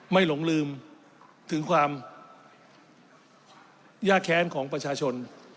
หลงลืมถึงความยากแค้นของประชาชน